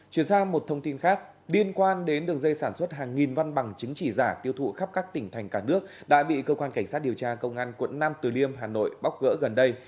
chuyển sang một thông tin khác liên quan đến đường dây sản xuất hàng nghìn văn bằng chứng chỉ giả tiêu thụ khắp các tỉnh thành cả nước đã bị cơ quan cảnh sát điều tra công an quận nam từ liêm hà nội bóc gỡ gần đây